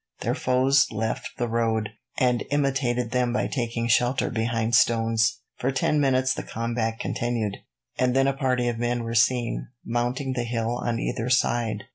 Their foes left the road, and imitated them by taking shelter behind stones. For ten minutes the combat continued, and then a party of men were seen, mounting the hill on either side.